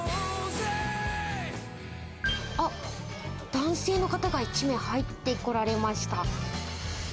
男性の方が１名入ってこられました。